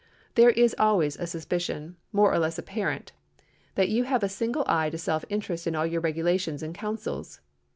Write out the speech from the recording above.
There is always a suspicion—more or less apparent—that you have a single eye to self interest in all your regulations and counsels.